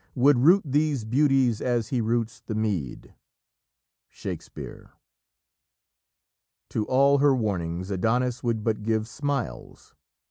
Would root these beauties as he roots the mead." Shakespeare. To all her warnings, Adonis would but give smiles.